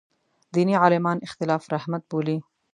دیني عالمان اختلاف رحمت بولي.